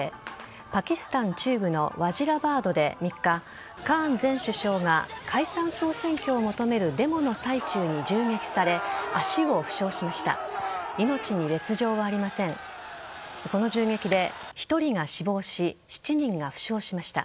パキスタン中部のワジラバードで３日カーン前首相が解散総選挙を求めるデモの最中に銃撃され脚を負傷しました。